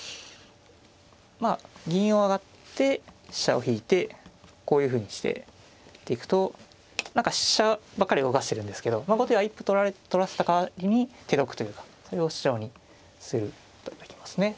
まあ銀を上がって飛車を引いてこういうふうにしていくと何か飛車ばっかり動かしてるんですけど後手は一歩取らせた代わりに手得というようなそれを主張にすることはできますね。